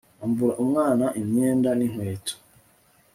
ambura umwana imyenda n'inkweto